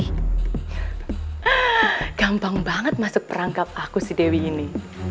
hah gampang banget masuk perangkap aku si dewi ini